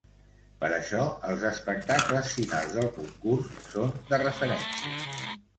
Per això els espectacles finals del concurs són de referència.